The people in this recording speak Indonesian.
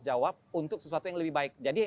jawab untuk sesuatu yang lebih baik jadi